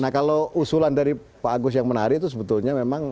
nah kalau usulan dari pak agus yang menarik itu sebetulnya memang